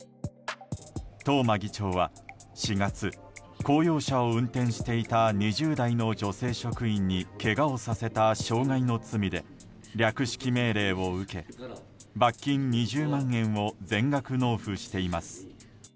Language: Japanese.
東間議長は４月、公用車を運転していた２０代の女性職員にけがをさせた傷害の罪で略式命令を受け罰金２０万円を全額納付しています。